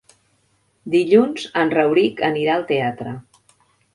Dilluns en Rauric anirà al teatre.